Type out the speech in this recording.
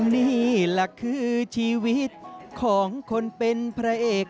นี่แหละคือชีวิตของคนเป็นพระเอก